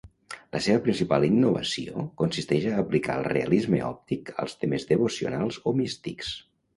La seva principal innovació consisteix a aplicar el realisme òptic als temes devocionals o místics.